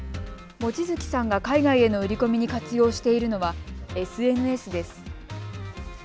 望月さんが海外への売り込みに活用しているのはＳＮＳです。